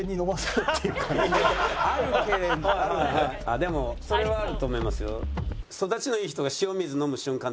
でもそれはあると思いますよ。